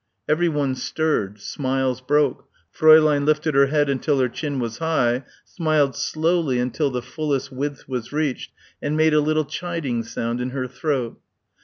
Everyone stirred. Smiles broke. Fräulein lifted her head until her chin was high, smiled slowly until the fullest width was reached and made a little chiding sound in her throat.